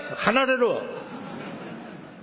「離れろ！